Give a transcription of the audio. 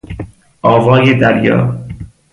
آوای دریا